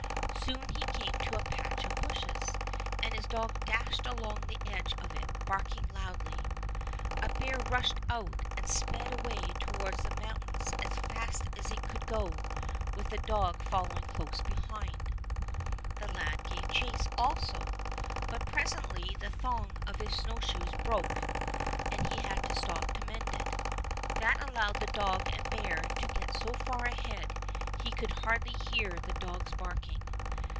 Soon he came to a patch of bushes, and his dog dashed along the edge of it, barking loudly. , A bear rushed out and sped away toward the mountains as fast as it could go, with the dog following close behind. 76 Fairy Tale Bears The lad gave chase also, but presently the thong of one of his snowshoes broke, and he had to stop to mend it. That allowed the dog and bear to get so far ahead he could hardly hear the dog's barking.